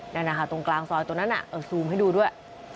นั่นนะคะตรงกลางซอยตรงนั้นซูมให้ดูด้วย